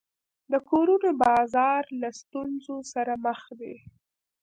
د کورونو بازار له ستونزو سره مخ دی.